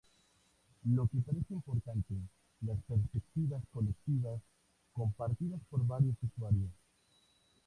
Lo que parece importante las perspectivas colectivas compartidas por varios usuarios.